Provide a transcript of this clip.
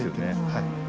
はい。